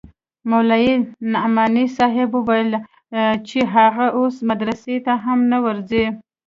مولوي نعماني صاحب وويل چې هغه اوس مدرسې ته هم نه ورځي.